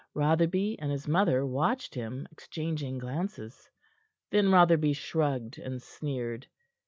Rotherby and his mother watched him, exchanging glances. Then Rotherby shrugged and sneered.